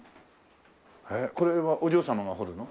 へえこれはお嬢様が彫るの？